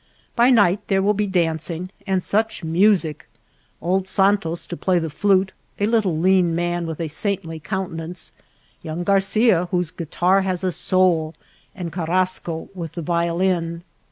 By night there will be dancing, and such music ! old Santos to play the flute, a little lean man with a saintly countenance, young Garcia whose guitar has a soul, and Car rasco with the violin.